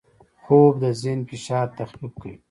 خوب د ذهن فشار تخفیف کوي